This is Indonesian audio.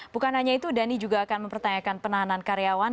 bukan hanya itu dhani juga akan mempertanyakan penahanan karyawan